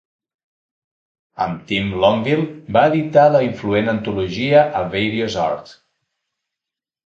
Amb Tim Longville va editar la influent antologia A Various Art.